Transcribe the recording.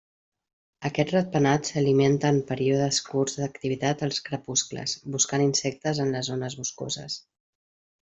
Aquest ratpenat s'alimenta en períodes curts d'activitat als crepuscles, buscant insectes en les zones boscoses.